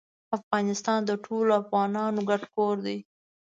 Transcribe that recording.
افغانستان د ټولو افغانانو ګډ کور دی.